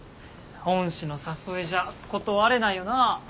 恩師の誘いじゃ断れないよな。